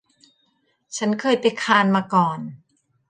ฉันเคยไปคานส์มาก่อน